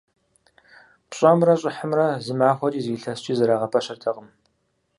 ПщӀэмрэ щӀыхьымрэ зы махуэкӀи, зы илъэскӀи зэрагъэпэщыртэкъым.